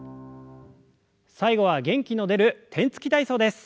最後は元気の出る天つき体操です。